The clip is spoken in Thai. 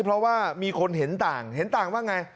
เพราะว่ามีคนเห็นต่างเห็นต่างว่าไง